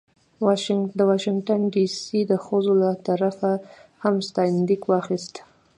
د واشنګټن ډې سي د ښځو له طرفه هم ستاینلیک واخیست.